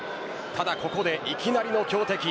ただここでいきなりの強敵。